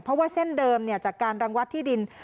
เพราะว่าเส้นเดิมจากการรังวัดที่ดิน